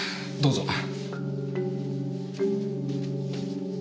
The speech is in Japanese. どうぞ。